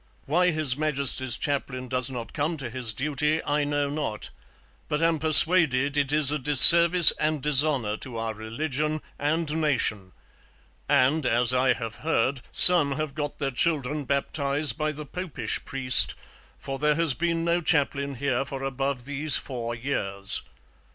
Why His Majesty's Chaplain does not come to his Duty I know not, but am persuaded it is a Disservice and Dishonour to our Religion and Nation; and as I have heard, some have got their children Baptized by the Popish Priest, for there has been no Chaplain here for above these four years.'